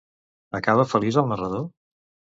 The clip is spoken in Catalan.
Acaba feliç el narrador?